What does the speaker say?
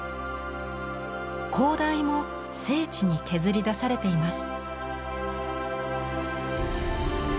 高台も精緻に削り出されています。